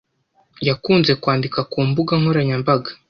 Yakunze kwandika ku mbuga nkoranyambaga